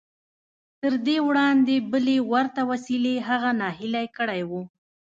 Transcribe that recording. تر دې وړاندې بلې ورته وسیلې هغه ناهیلی کړی و